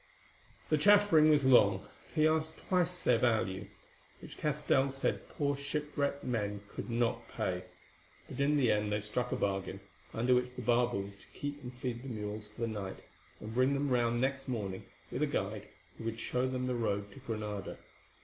The chaffering was long, for he asked twice their value, which Castell said poor shipwrecked men could not pay; but in the end they struck a bargain, under which the barber was to keep and feed the mules for the night, and bring them round next morning with a guide who would show them the road to Granada.